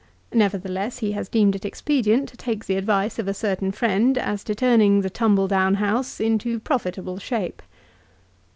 Nevertheless he has deemed it expedient to take the advice of a certain friend as to turning the tumble down house into profitable shape.